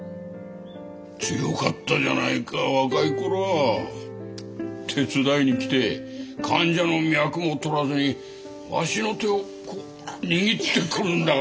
強かったじゃないか若い頃は手伝いに来て患者の脈をとらずにわしの手をこう握ってくるんだからな。